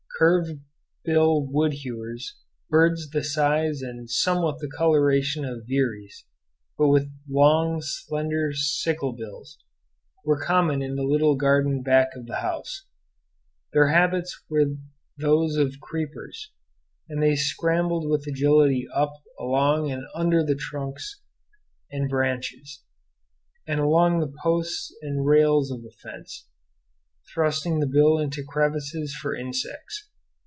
Curved bill wood hewers, birds the size and somewhat the coloration of veeries, but with long, slender sickle bills, were common in the little garden back of the house; their habits were those of creepers, and they scrambled with agility up, along, and under the trunks and branches, and along the posts and rails of the fence, thrusting the bill into crevices for insects.